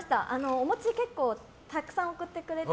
お餅、結構たくさん送ってくれて。